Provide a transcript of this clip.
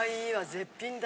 絶品だ。